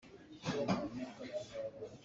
Ngakchia kha phiphen an i awk.